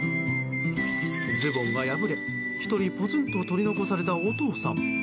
ズボンが破れ、１人ぽつんと取り残されたお父さん。